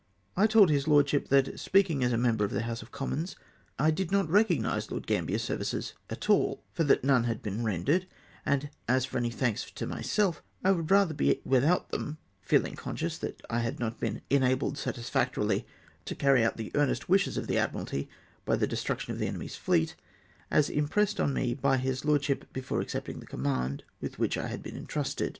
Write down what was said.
I told his lordsliip that, spealdng as a member of the House of Commons, I did not recognise Lord Gambler's services at all, for that none had been rendered ; and as for any thanks to myself, I would ratlier be without them, feeling 'conscious that I had not been enabled satisfactoi'ily to carry out the earnest wishes of the Admiralty by the destruction of the enemy's fleet, as impressed on me by his lordship before accepting the command with which I had been entrusted.